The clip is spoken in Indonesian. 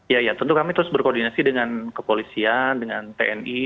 ya ya tentu kami terus berkoordinasi dengan kepolisian dengan tni